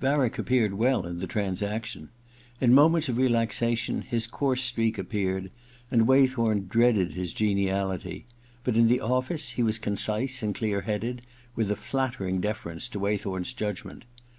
Varick appeared well in the transaction. In moments of relaxation his coarse streak appeared, and Waythorn dreaded his geniality ; but in the office he was concise and clear headed, with a flattering deference to Waythorn's judgment.